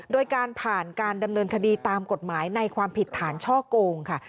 โดยการผ่านการดำเนินคดีตามกฎหมายในความผิดฐานช่อโกงค่ะ